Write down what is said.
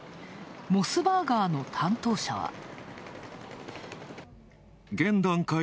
モスバーガーの担当者は。